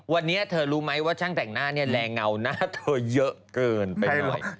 วันนี้เธอรู้ไหมว่าช่างแต่งหน้าเนี่ยแรงเงาหน้าเธอเยอะเกินไปด้วย